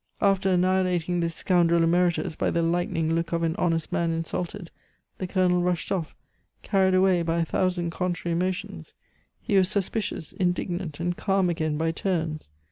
After annihilating this scoundrel emeritus by the lightning look of an honest man insulted, the Colonel rushed off, carried away by a thousand contrary emotions. He was suspicious, indignant, and calm again by turns.